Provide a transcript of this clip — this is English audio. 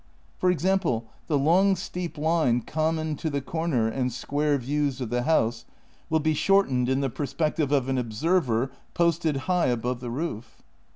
For example, the long, steep line common to the corner and square views of tbe house, will be shortened in tbe perspective of an observer posted high above tbe roof.